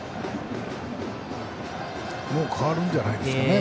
もう代わるんじゃないですか。